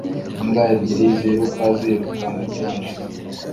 Imbwa ebyiri ziruka ziruka mucyondo